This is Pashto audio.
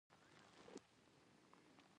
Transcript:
قلم د محرومو خلکو ژبه ده